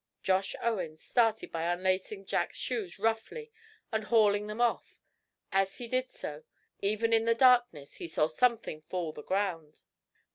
Josh Owens started by unlacing Jack's shoes roughly and hauling them off. As he did so, oven in the darkness, he saw something fall the ground.